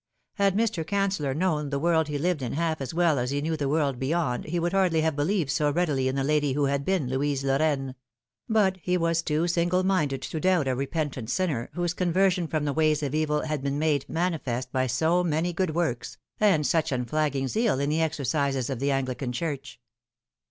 Had Mr. Cancellor known the world he lived in half as well as he knew the world beyond he would hardly have believed so readily 108 The Fatal Three. in the lady who had been Louise Lorraine ; bnt he was too single minded to doubt a repentant sinner whose conversion from the ways of evil had been made manifest by so many good works, and such unflagging zeal in the exercises of the Anglican Church.